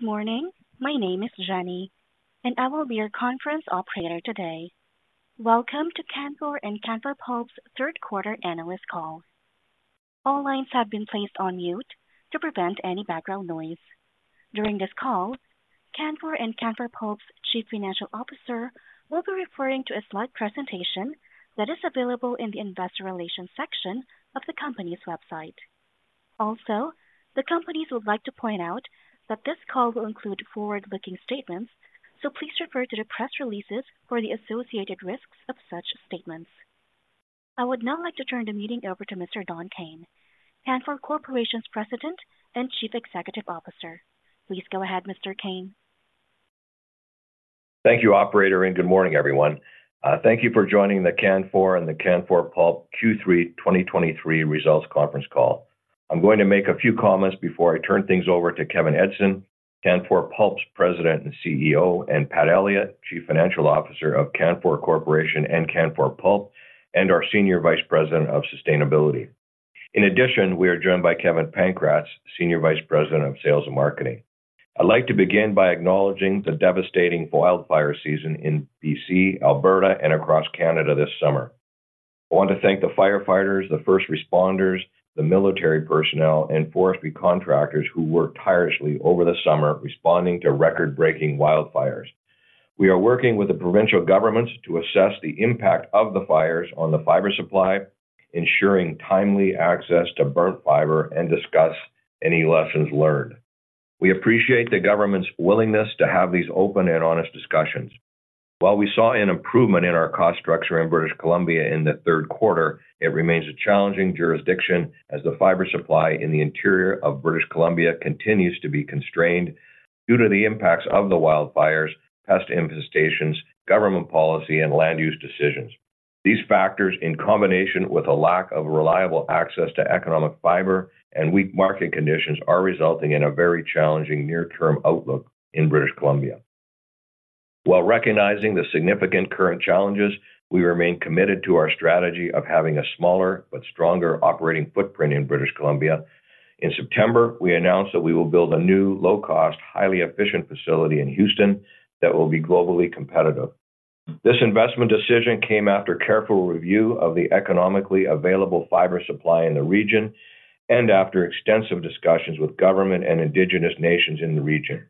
Good morning. My name is Jenny, and I will be your conference operator today. Welcome to Canfor and Canfor Pulp's Third Quarter Analyst Call. All lines have been placed on mute to prevent any background noise. During this call, Canfor and Canfor Pulp's Chief Financial Officer will be referring to a slide presentation that is available in the investor relations section of the company's website. Also, the companies would like to point out that this call will include forward-looking statements, so please refer to the press releases for the associated risks of such statements. I would now like to turn the meeting over to Mr. Don Kayne, Canfor Corporation's President and Chief Executive Officer. Please go ahead, Mr. Kayne. Thank you, operator, and good morning, everyone. Thank you for joining the Canfor and the Canfor Pulp Q3 2023 Results Conference Call. I'm going to make a few comments before I turn things over to Kevin Edgson, Canfor Pulp's President and CEO, and Pat Elliott, Chief Financial Officer of Canfor Corporation and Canfor Pulp, and our Senior Vice President of Sustainability. In addition, we are joined by Kevin Pankratz, Senior Vice President of Sales and Marketing. I'd like to begin by acknowledging the devastating wildfire season in BC, Alberta, and across Canada this summer. I want to thank the firefighters, the first responders, the military personnel, and forestry contractors who worked tirelessly over the summer responding to record-breaking wildfires. We are working with the provincial governments to assess the impact of the fires on the fiber supply, ensuring timely access to burnt fiber, and discussing any lessons learned. We appreciate the government's willingness to have these open and honest discussions. While we saw an improvement in our cost structure in British Columbia in the third quarter, it remains a challenging jurisdiction, as the fiber supply in the interior of British Columbia continues to be constrained due to the impacts of the wildfires, pest infestations, government policy, and land use decisions. These factors, in combination with a lack of reliable access to economic fiber and weak market conditions, are resulting in a very challenging near-term outlook in British Columbia. While recognizing the significant current challenges, we remain committed to our strategy of having a smaller but stronger operating footprint in British Columbia. In September, we announced that we would build a new, low-cost, highly efficient facility in Houston that will be globally competitive. This investment decision came after careful review of the economically available fiber supply in the region and after extensive discussions with the government and Indigenous nations in the region.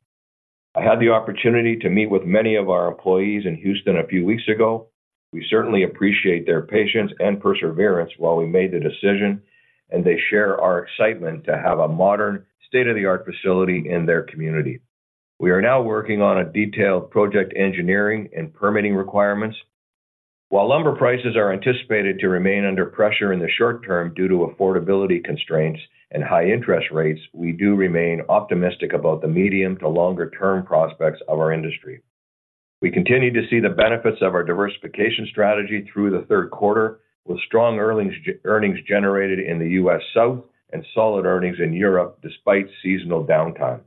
I had the opportunity to meet with many of our employees in Houston a few weeks ago. We certainly appreciate their patience and perseverance while we made the decision, and they share our excitement to have a modern, state-of-the-art facility in their community. We are now working on a detailed project engineering and permitting requirements. While lumber prices are anticipated to remain under pressure in the short term due to affordability constraints and high interest rates, we do remain optimistic about the medium to long-term prospects of our industry. We continue to see the benefits of our diversification strategy through the third quarter, with strong earnings generated in the US South and solid earnings in Europe, despite seasonal downtime.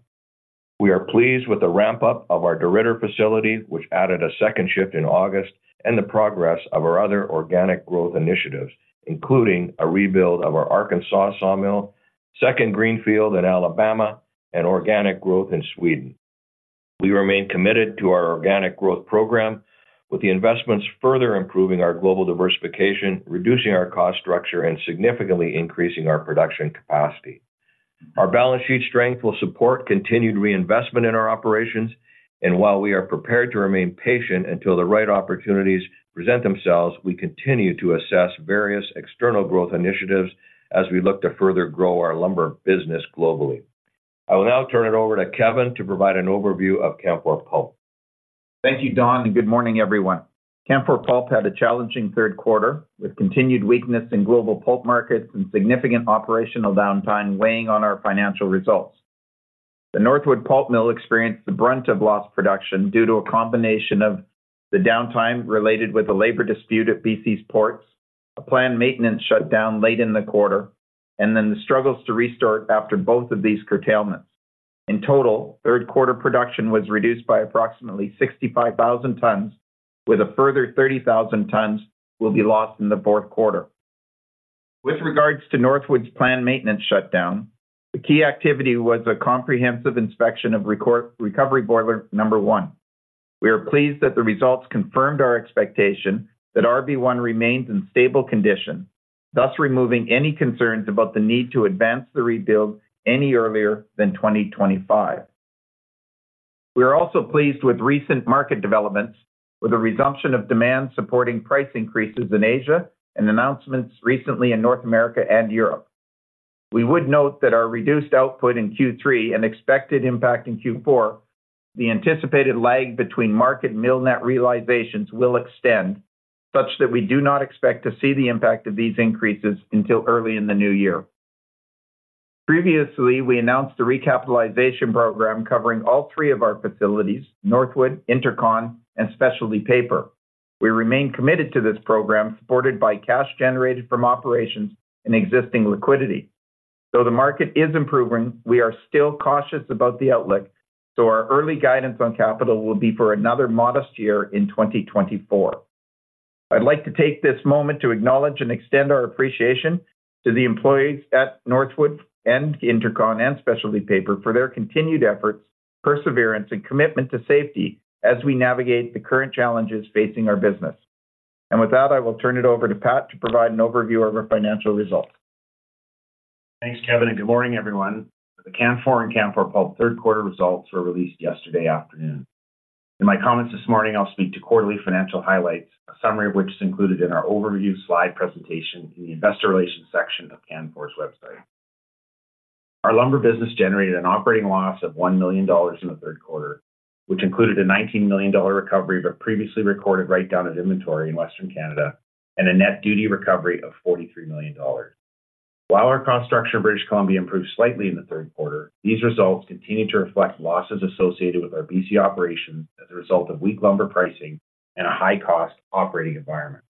We are pleased with the ramp-up of our DeRidder facility, which added a second shift in August, and the progress of our other organic growth initiatives, including a rebuild of our Arkansas sawmill, a second greenfield in Alabama, and organic growth in Sweden. We remain committed to our organic growth program, with the investments further improving our global diversification, reducing our cost structure, and significantly increasing our production capacity. Our balance sheet strength will support continued reinvestment in our operations, and while we are prepared to remain patient until the right opportunities present themselves, we continue to assess various external growth initiatives as we look to further grow our lumber business globally. I will now turn it over to Kevin to provide an overview of Canfor Pulp. Thank you, Don, and good morning, everyone. Canfor Pulp had a challenging third quarter, with continued weakness in global pulp markets and significant operational downtime weighing on our financial results. The Northwood Pulp mill experienced the brunt of lost production due to a combination of the downtime related to the labor dispute at BC's ports, a planned maintenance shutdown late in the quarter, and then the struggles to restart after both of these curtailments. In total, third quarter production was reduced by approximately 65,000 tons, with a further 30,000 tons will be lost in the fourth quarter. With regards to Northwood's planned maintenance shutdown, the key activity was a comprehensive inspection of Recovery Boiler 1. We are pleased that the results confirmed our expectation that RB1 remains in stable condition, thus removing any concerns about the need to advance the rebuild any earlier than 2025. We are also pleased with recent market developments, with a resumption of demand supporting price increases in Asia and announcements recently in North America and Europe. We would note that our reduced output in Q3 and the expected impact in Q4. The anticipated lag between market mill net realizations will extend such that we do not expect to see the impact of these increases until early in the new year. Previously, we announced a recapitalization program covering all three of our facilities, Northwood, Intercon and Specialty Paper. We remain committed to this program, supported by cash generated from operations and existing liquidity. Though the market is improving, we are still cautious about the outlook, so our early guidance on capital will be for another modest year in 2024. I'd like to take this moment to acknowledge and extend our appreciation to the employees at Northwood and Intercon and Specialty Paper for their continued efforts, perseverance, and commitment to safety as we navigate the current challenges facing our business. With that, I will turn it over to Pat to provide an overview of our financial results. Thanks, Kevin, and good morning, everyone. The Canfor and Canfor Pulp Third Quarter Results were released yesterday afternoon. In my comments this morning, I'll speak to quarterly financial highlights, a summary of which is included in our overview slide presentation in the investor relations section of Canfor's website. Our lumber business generated an operating loss of 1 million dollars in the third quarter, which included a 19 million dollar recovery, but previously recorded write-down of inventory in Western Canada, and a net duty recovery of 43 million dollars. While our construction in British Columbia improved slightly in the third quarter, these results continue to reflect losses associated with our BC operations as a result of weak lumber pricing and a high-cost operating environment.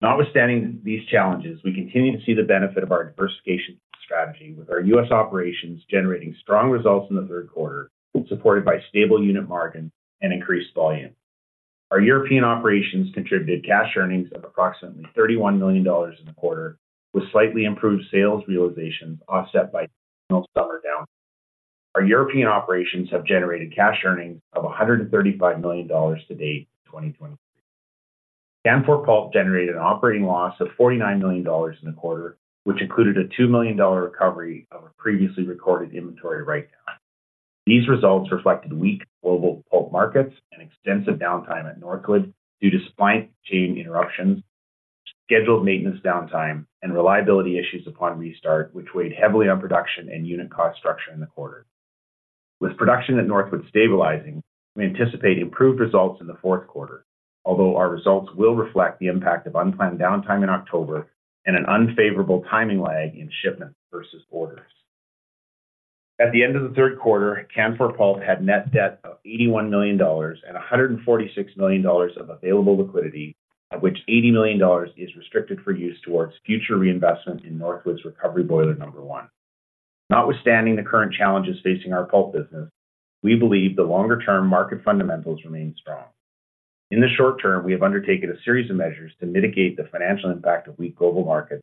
Notwithstanding these challenges, we continue to see the benefit of our diversification strategy, with our U.S. operations generating strong results in the third quarter, supported by stable unit margin and increased volume. Our European operations contributed cash earnings of approximately 31 million dollars in the quarter, with slightly improved sales realizations, offset by seasonal summer downtime. Our European operations have generated cash earnings of 135 million dollars to date in 2023. Canfor Pulp generated an operating loss of 49 million dollars in the quarter, which included a 2 million dollar recovery of a previously recorded inventory write-down. These results reflected weak global pulp markets and extensive downtime at Northwood due to supply chain interruptions, scheduled maintenance downtime, and reliability issues upon restart, which weighed heavily on production and unit cost structure in the quarter. With production at Northwood stabilizing, we anticipate improved results in the fourth quarter, although our results will reflect the impact of unplanned downtime in October and an unfavorable timing lag in shipments versus orders. At the end of the third quarter, Canfor Pulp had net debt of 81 million dollars and 146 million dollars of available liquidity, of which 80 million dollars is restricted for use towards future reinvestment in Northwood's Recovery Boiler 1. Notwithstanding the current challenges facing our pulp business, we believe the longer-term market fundamentals remain strong. In the short term, we have undertaken a series of measures to mitigate the financial impact of weak global markets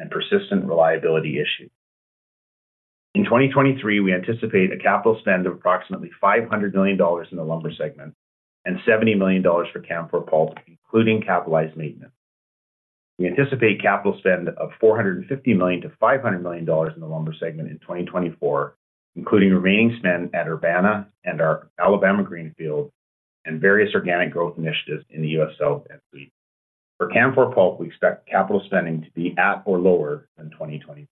and persistent reliability issues. In 2023, we anticipate a capital spend of approximately 500 million dollars in the lumber segment and 70 million dollars for Canfor Pulp, including capitalized maintenance. We anticipate capital spend of 450 million-500 million dollars in the lumber segment in 2024, including remaining spend at Urbana and our Alabama greenfield and various organic growth initiatives in the US South and Sweden. For Canfor Pulp, we expect capital spending to be at or lower than 2023.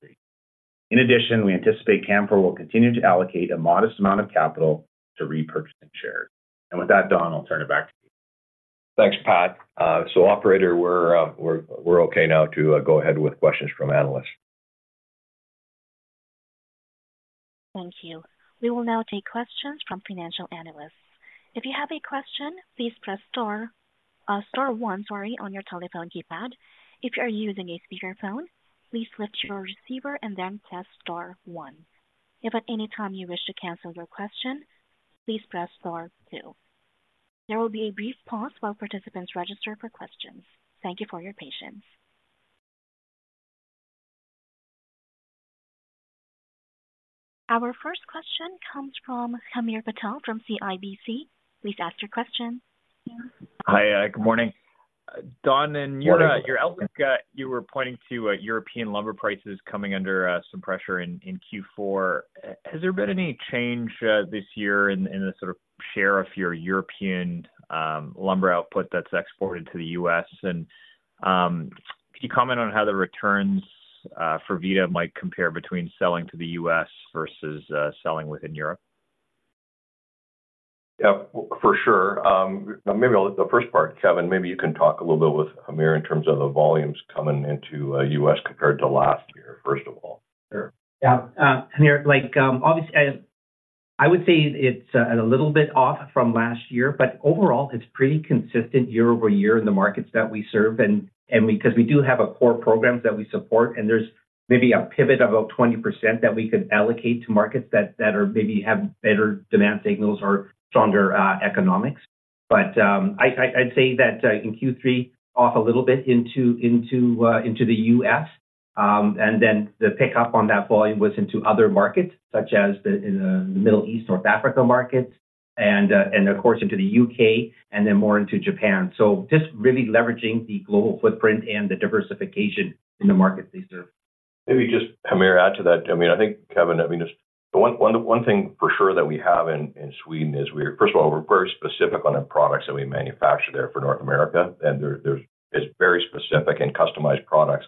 In addition, we anticipate that Canfor will continue to allocate a modest amount of capital to repurchasing shares. With that, Don, I'll turn it back to you. Thanks, Pat. So operator, we're okay now to go ahead with questions from analysts. Thank you. We will now take questions from financial analysts. If you have a question, please press star, star one on your telephone keypad. If you are using a speakerphone, please lift your receiver and then press star one. If at any time you wish to cancel your question, please press star two. There will be a brief pause while participants register for questions. Thank you for your patience. Our first question comes from Hamir Patel from CIBC. Please ask your question. Hi, good morning. Don your outlook, you were pointing to European lumber prices coming under some pressure in Q4. Has there been any change this year in the sort of share of your European lumber output that's exported to the U.S.? And, can you comment on how the returns for Vida might compare between selling to the U.S. versus selling within Europe? For sure. The first part, Kevin, maybe you can talk a little bit with Hamir in terms of the volumes coming into the U.S. compared to last year, first of all. Hamir, obviously, I would say it's a little bit off from last year, but overall, it's pretty consistent year-over-year in the markets that we serve. And because we do have core programs that we support, and there's maybe a pivot of about 20% that we could allocate to markets that are maybe have better demand signals or stronger economics. But I'd say that in Q3, off a little bit into the U.S., and then the pickup on that volume was into other markets, such as in the Middle East, North Africa markets, and of course, into the U.K., and then more into Japan. Just really leveraging the global footprint and the diversification in the markets we serve. Maybe just, Hamir, add to that. Kevin, just the one thing for sure that we have in Sweden is we're, first of all, we're very specific on the products that we manufacture there for North America, and there it's very specific and customized products.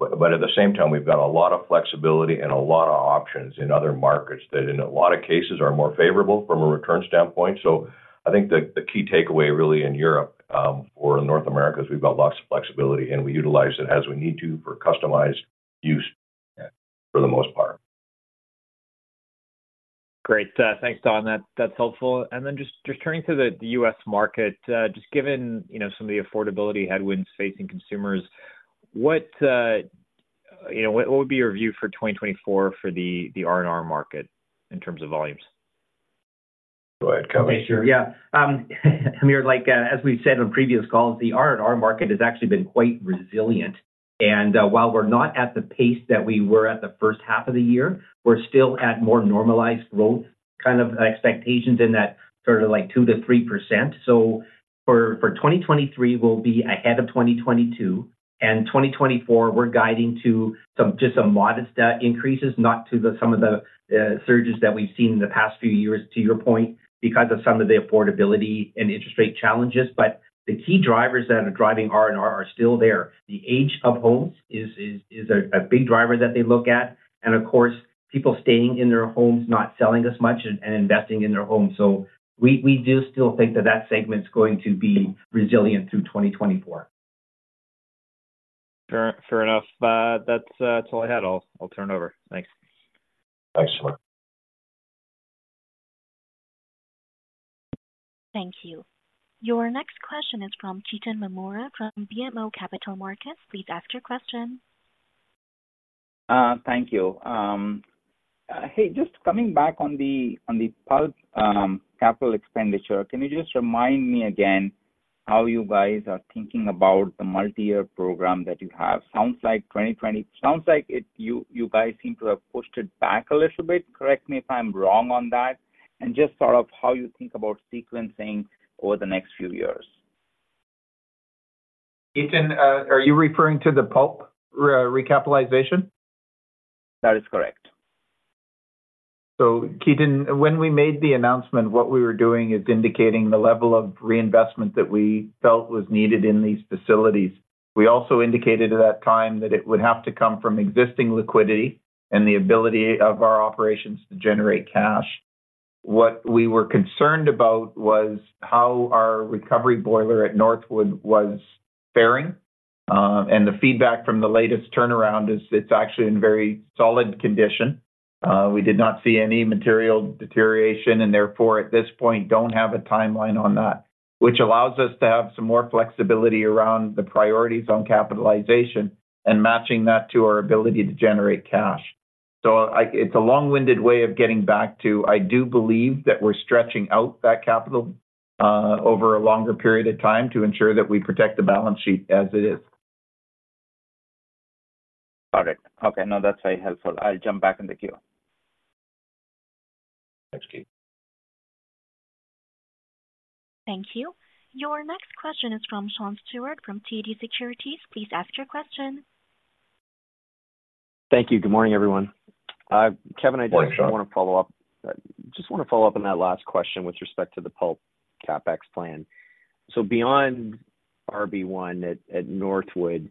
But at the same time, we've got a lot of flexibility and a lot of options in other markets that, in a lot of cases, are more favorable from a return standpoint. So I think the key takeaway, really, in Europe or in North America, is we've got lots of flexibility, and we utilize it as we need to for customized use for the most part. Great. Thanks, Don. That's helpful. And then, just turning to the U.S. market, just given you know some of the affordability headwinds facing consumers, what you know would be your view for 2024 for the R&R market in terms of volumes? Go ahead, Kevin. I mean, as we've said on previous calls, the R&R market has actually been quite resilient. And, while we're not at the pace that we were at the first half of the year, we're still at more normalized growth, kind of expectations in that sort of like 2%-3%. So for 2023, we'll be ahead of 2022. And 2024, we're guiding to some, just some modest increases, not to the, some of the surges that we've seen in the past few years, to your point, because of some of the affordability and interest rate challenges. But the key drivers that are driving R&R are still there. The age of homes is a big driver that they look at. Of course, people staying in their homes, not selling as much and, and investing in their homes. We, we do still think that that segment's going to be resilient through 2024. Fair enough. That's, all I had. I'll turn it over. Thanks. Thanks, Mark. Thank you. Your next question is from Ketan Mamtora from BMO Capital Markets. Please ask your question. Thank you. Hey, just coming back on the pulp, capital expenditure, can you just remind me again how you guys are thinking about the multi-year program that you have? Sounds like 2020, sounds like it, you guys seem to have pushed it back a little bit. Correct me if I'm wrong on that, and just sort of how you think about sequencing over the next few years. Ketan, are you referring to the pulp recapitalization? That is correct. Ketan, when we made the announcement, what we were doing is indicating the level of reinvestment that we felt was needed in these facilities. We also indicated at that time that it would have to come from existing liquidity and the ability of our operations to generate cash. What we were concerned about was how our Recovery Boiler at Northwood was faring, and the feedback from the latest turnaround is that it's actually in very solid condition. We did not see any material deterioration, and therefore, at this point, don't have a timeline on that, which allows us to have some more flexibility around the priorities on capitalization and matching that to our ability to generate cash. It's a long-winded way of getting back to, I do believe that we're stretching out that capital over a longer period of time to ensure that we protect the balance sheet as it is. Got it. Okay, now that's very helpful. I'll jump back in the queue. Thanks, Ketan. Thank you. Your next question is from Sean Steuart from TD Securities. Please ask your question. Thank you. Good morning, everyone. Morning, Sean. I just want to follow up, just want to follow up on that last question with respect to the pulp CapEx plan. So beyond RB one at Northwood,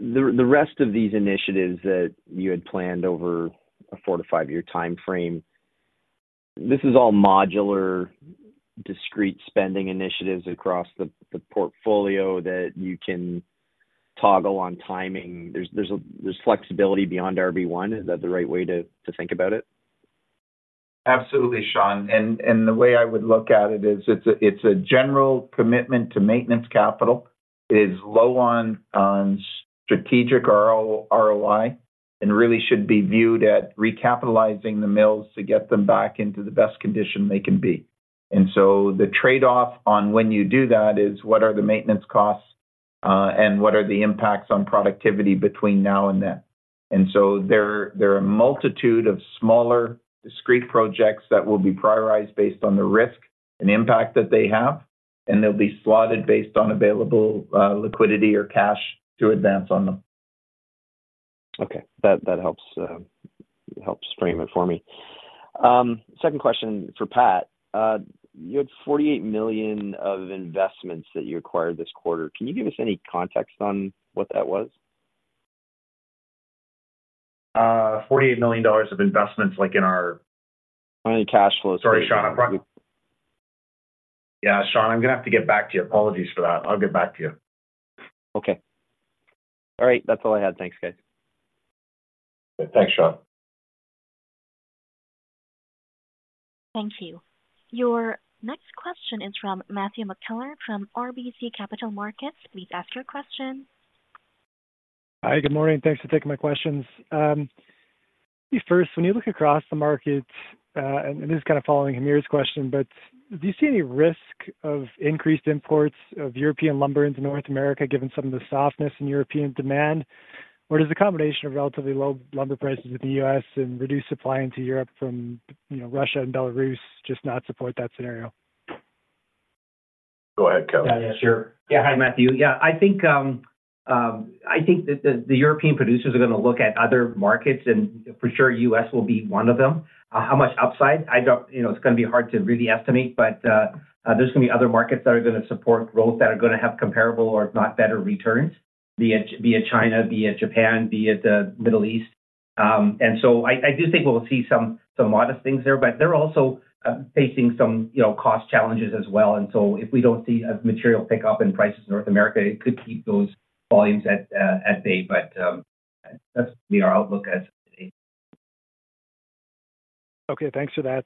the rest of these initiatives that you had planned over a 4-5-year timeframe, this is all modular, discrete spending initiatives across the portfolio that you can toggle on timing. There's, there's flexibility beyond RB one. Is that the right way to, to think about it? Absolutely, Sean. And the way I would look at it is, it's a general commitment to maintenance capital. It is low on strategic ROI, and really should be viewed at recapitalizing the mills to get them back into the best condition they can be. And so the trade-off on when you do that is: What are the maintenance costs, and what are the impacts on productivity between now and then? And so there are a multitude of smaller, discrete projects that will be prioritized based on the risk and impact that they have, and they'll be slotted based on available liquidity or cash to advance on them. Okay. That, that helps frame it for me. Second question for Pat. You had 48 million of investments that you acquired this quarter. Can you give us any context on what that was? 48 million dollars of investments. Sorry, Sean, I'm gonna have to get back to you. Apologies for that. I'll get back to you. Okay. All right. That's all I had. Thanks, guys. Thanks, Sean. Thank you. Your next question is from Matthew McKellar from RBC Capital Markets. Please ask your question. Hi, good morning. Thanks for taking my questions. First, when you look across the market, and this is kind of following Hamir's question, but do you see any risk of increased imports of European lumber into North America, given some of the softness in European demand? Or does the combination of relatively low lumber prices in the U.S. and reduced supply into Europe from Russia and Belarus just not support that scenario? Go ahead, Kevin. Hi, Matthew. I think that the European producers are gonna look at other markets, and for sure, U.S. will be one of them. How much upside? It's gonna be hard to really estimate, but there's gonna be other markets that are gonna support growth, that are gonna have comparable or if not better, returns, be it China, be it Japan, be it the Middle East. And so I do think we'll see some modest things there, but they're also facing some cost challenges as well. And so if we don't see a material pickup in prices in North America, it could keep those volumes at bay. But that'll be our outlook as of today. Okay, thanks for that.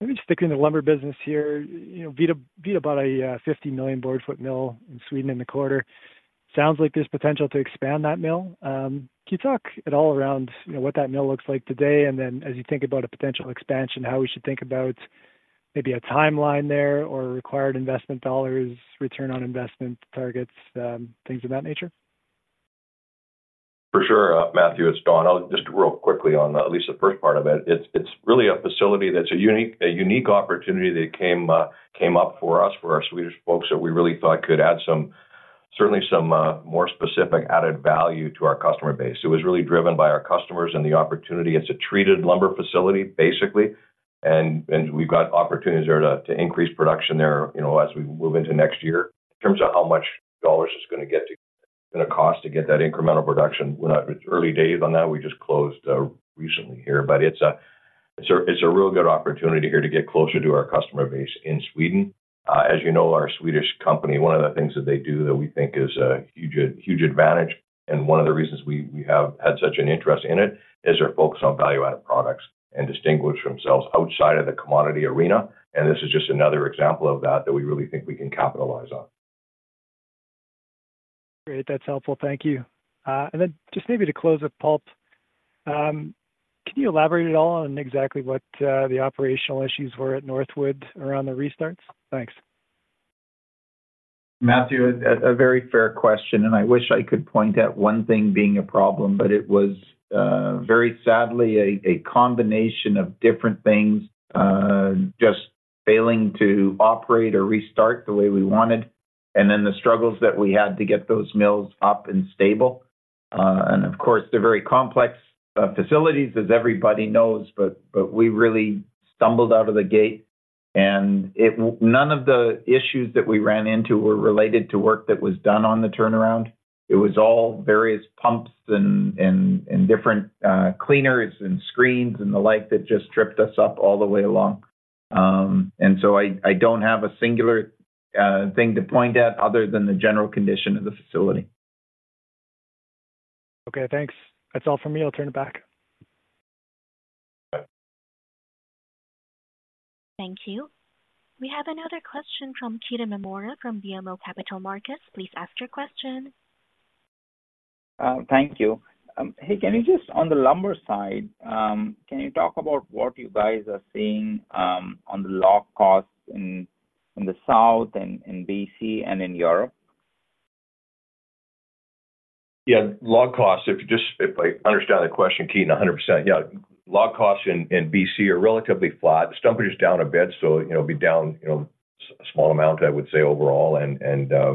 Maybe just sticking to the lumber business here, you know, Vida, Vida bought a 50 million board foot mill in Sweden in the quarter. Sounds like there's potential to expand that mill. Can you talk at all around, you know, what that mill looks like today, and then as you think about a potential expansion, how we should think about maybe a timeline there or required investment dollars, return on investment targets, things of that nature? For sure, Matthew, it's Don. I'll just real quickly on at least the first part of it. It's really a facility that's a unique opportunity that came up for us, for our Swedish folks, that we really thought could add some, certainly some more specific added value to our customer base. It was really driven by our customers and the opportunity. It's a treated lumber facility, basically, and we've got opportunities there to increase production there, you know, as we move into next year. In terms of how much dollars it's gonna cost to get that incremental production, we're not, it's early days on that. We just closed recently here, but it's a real good opportunity here to get closer to our customer base in Sweden. As you know, our Swedish company, one of the things that they do that we think is a huge, huge advantage, and one of the reasons we have had such an interest in it, is their focus on value-added products and distinguish themselves outside of the commodity arena. And this is just another example of that, that we really think we can capitalize on. Great. That's helpful. Thank you. And then just maybe to close with pulp, can you elaborate at all on exactly what the operational issues were at Northwood around the restarts? Thanks. Matthew, a very fair question, and I wish I could point at one thing being a problem, but it was very sadly a combination of different things just failing to operate or restart the way we wanted, and then the struggles that we had to get those mills up and stable. And of course, they're very complex facilities, as everybody knows, but we really stumbled out of the gate. And it, none of the issues that we ran into were related to work that was done on the turnaround. It was all various pumps and different cleaners and screens and the like that just tripped us up all the way along. And so I don't have a singular thing to point at other than the general condition of the facility. Okay, thanks. That's all for me. I'll turn it back. Thank you. We have another question from Ketan Mamtora from BMO Capital Markets. Please ask your question. Thank you. Hey, can you just, on the lumber side, can you talk about what you guys are seeing, on the log costs in the South and in BC and in Europe? Yeah, log costs, if I understand the question, Ketan, 100%. Yeah. Log costs in BC are relatively flat. The stumpage is down a bit, so, you know, it'll be down, you know, a small amount, I would say, overall, and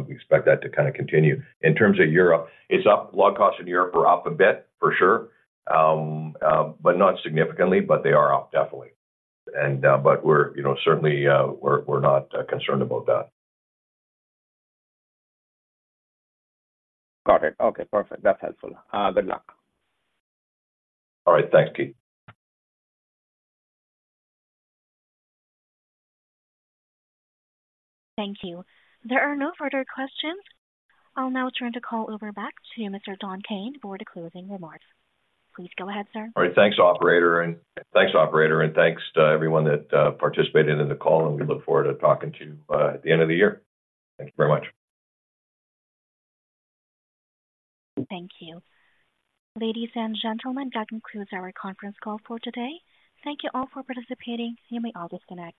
we expect that to kind of continue. In terms of Europe, it's up. Log costs in Europe are up a bit for sure, but not significantly, but they are up definitely. And, but we're, you know, certainly, we're not concerned about that. Got it. Okay, perfect. That's helpful. Good luck. All right. Thanks, Ketan. Thank you. There are no further questions. I'll now turn the call over back to Mr. Don Kayne for the closing remarks. Please go ahead, sir. All right. Thanks, operator, and thanks, operator, and thanks to everyone that participated in the call, and we look forward to talking to you at the end of the year. Thank you very much. Thank you. Ladies and gentlemen, that concludes our conference call for today. Thank you all for participating. You may all disconnect.